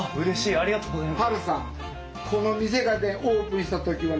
ありがとうございます。